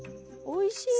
おいしい。